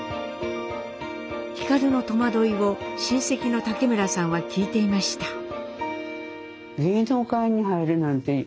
皓の戸惑いを親戚の竹村さんは聞いていました。